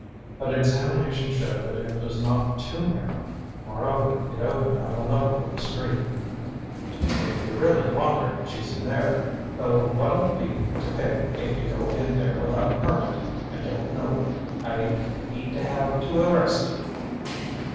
But examination showed that it was not too narrow; moreover, it opened on a level with the street. "If you really want her, she's in there, though what'll be to pay if you go in there without a permit, I don't know. I'd hate to have to arrest you."